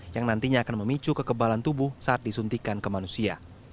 yang nantinya akan memicu kekebalan tubuh saat disuntikan ke manusia